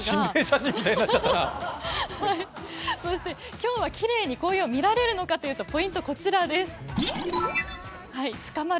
今日はきれいに紅葉が見られるかというとポイントはこちらです。